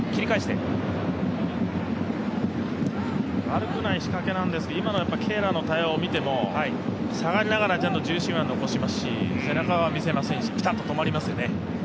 悪くない仕掛けなんですけど、ケーラーの対応を見ても下がりながら重心は残しますし背中は見せませんしピタッと止まりますよね。